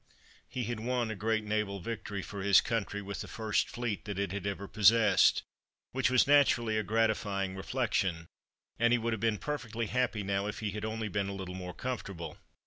He had won a great naval victory for his country with the first fleet that it had ever possessed which was naturally a gratifying reflection, and he would have been perfectly happy now if he had only been a little more comfortable.